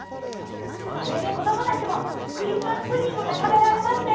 これで子供たちもクリスマス・プディングが食べられますね。